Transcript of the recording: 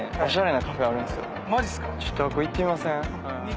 ちょっとあっこ行ってみません？